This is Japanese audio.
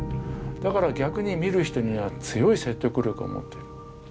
だから逆に見る人には強い説得力を持っている。